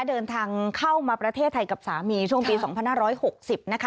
เดินทางเข้ามาประเทศไทยกับสามีช่วงปี๒๕๖๐นะคะ